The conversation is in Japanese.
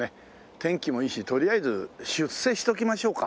天気もいいしとりあえず出世しときましょうか。